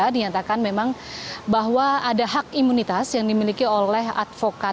dinyatakan memang bahwa ada hak imunitas yang dimiliki oleh advokat